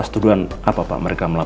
semuanya pon ha